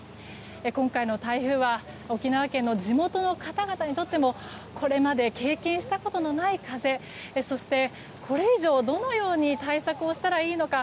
今回の台風は沖縄県の地元の方々にとってもこれまで経験したことのない風そして、これ以上どのように対策をしたらいいのか